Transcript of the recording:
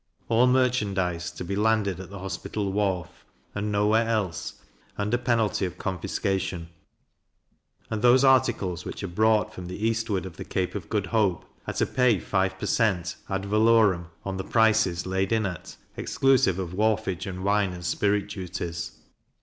All merchandize to be landed at the Hospital wharf, and no where else, under penalty of confiscation; and those articles which are brought from the eastward of the Cape of Good Hope, are to pay five per cent. ad valorem on the prices laid in at, exclusive of wharfage and wine and spirit duties.